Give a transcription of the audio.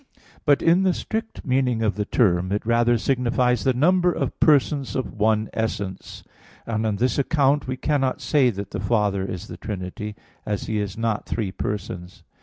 But in the strict meaning of the term it rather signifies the number of persons of one essence; and on this account we cannot say that the Father is the Trinity, as He is not three persons.